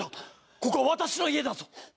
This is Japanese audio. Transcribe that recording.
ここは私の家だぞ。